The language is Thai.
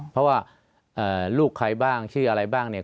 เพราะว่าลูกใครบ้างชื่ออะไรบ้างเนี่ย